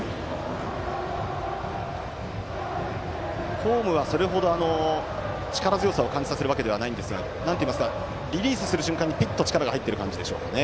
フォームはそれほど力強さを感じさせるわけではないんですがリリースする瞬間に力が入っている感じですかね。